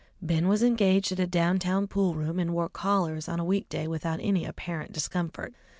Ben was engaged at a down town pool room, and wore collars on a weekday without any apparent discomfort.